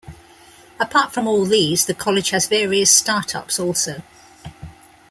Apart from all these the college has various start-ups also.